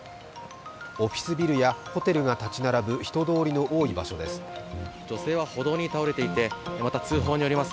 オフィスビルやホテルが建ち並ぶ人通りの多い場所です。